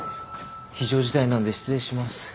非常事態なんで失礼します。